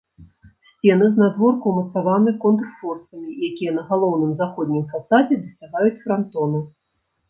Сцены знадворку ўмацаваны контрфорсамі, якія на галоўным заходнім фасадзе дасягаюць франтона.